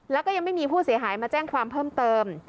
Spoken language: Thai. แล้วก็ยังไม่มีผู้เสียหายมาแจ้งความเพิ่มเติม